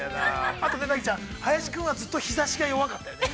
あとナギちゃん、林君はずっと日差しが弱かったよね。